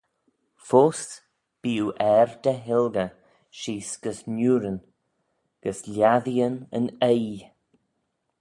Foast bee oo er dty hilgey sheese gys niurin, gys lhiatteeyn yn oaie.